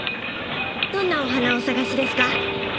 どんなお花をお探しですか？